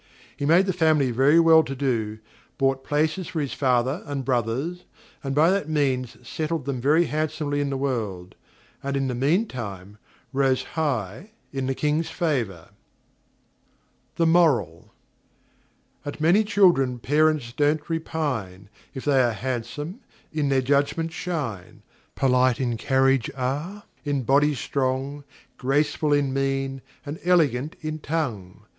He made the whole family very well to do, bought places for his father and brothers; and by that means settled them very handsomely in the world, and, in the mean time, rose high in the King's favour. The Moral _At many children parents don't repine, If they are handsome; in their judgment shine; Polite in carriage are, in body strong, Graceful in mien, and elegant in tongue.